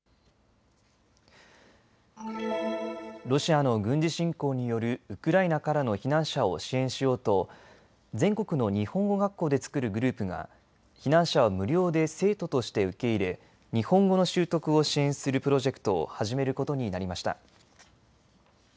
ロシアの軍事侵攻によるウクライナからの避難者を支援しようと全国の日本語学校で作るグループが避難者を無料で生徒として受け入れ日本語の習得を支援するプロジェクトを始めることになりました。